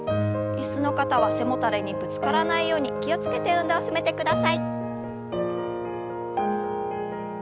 椅子の方は背もたれにぶつからないように気を付けて運動を進めてください。